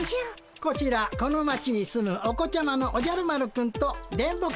こちらこの町に住むお子ちゃまのおじゃる丸くんと電ボくん。